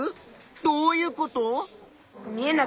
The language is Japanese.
どういうこと？